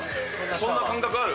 そんな感覚ある？